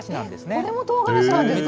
これもとうがらしなんですか？